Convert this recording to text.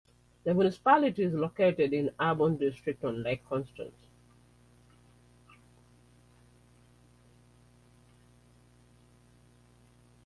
The municipality is located in the Arbon district, on Lake Constance.